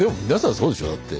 そうでしょうだって。